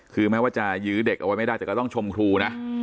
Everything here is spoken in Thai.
คือแม้ว่าจะยื้อเด็กเอาไว้ไม่ได้แต่ก็ต้องชมครูนะ